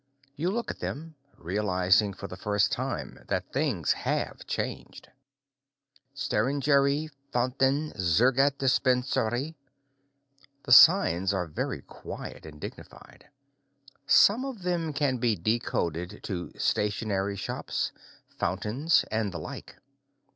You look at them, realizing for the first time that things have changed. Steij:neri, Faunten, Z:rgat Dispenseri. The signs are very quiet and dignified. Some of them can be decoded to stationery shops, fountains, and the like.